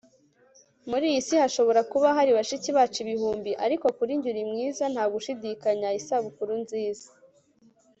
muri iyi si hashobora kuba hari bashiki bacu ibihumbi, ariko kuri njye uri mwiza, nta gushidikanya. isabukuru nziza